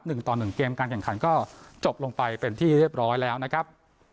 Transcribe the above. หนึ่งต่อหนึ่งเกมการแข่งขันก็จบลงไปเป็นที่เรียบร้อยแล้วนะครับ